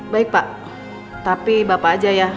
baik pak tapi bapak aja ya